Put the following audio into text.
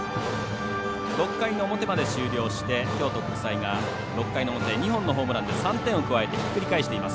６回の表まで終了して京都国際６回の表、２本のホームランで３点を加えてひっくり返しています。